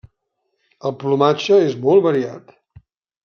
El plomatge és molt variat.